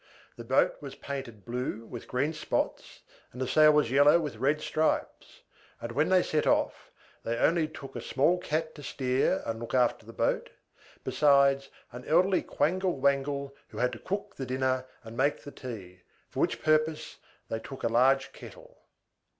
The boat was painted blue with green spots, and the sail was yellow with red stripes: and, when they set off, they only took a small Cat to steer and look after the boat, besides an elderly Quangle Wangle, who had to cook the dinner and make the tea; for which purposes they took a large kettle.